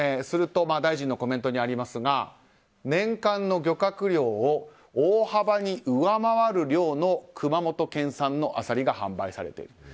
すると大臣のコメントにありますが年間の漁獲量を大幅に上回る量の熊本県産のアサリが販売されている。